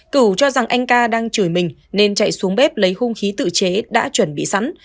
cửu cho rằng anh ca đang chửi mình nên chạy xuống bếp lấy hung khí tự chế đã chuẩn bị sẵn